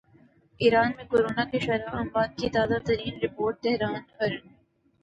ایران میں کرونا کی شرح اموات کی تازہ ترین رپورٹ تہران ارن